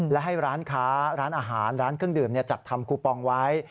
และให้ร้านค้าร้านอาหารร้านเครื่องดื่มจัดทำคูปองไว้